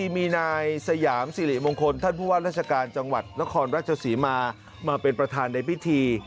มาเป็นประธานในพิธี